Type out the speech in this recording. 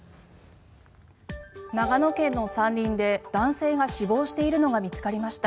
長野県の山林で男性が死亡しているのが見つかりました。